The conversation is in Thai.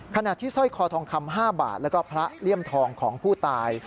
ขณะที่สร้อยคอทองคำ๕บาทแล้วก็พระเลี่ยมทองของผู้ตาย